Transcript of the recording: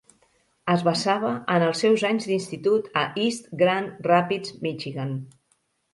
Es basava en els seus anys d'institut a East Grand Rapids, Michigan.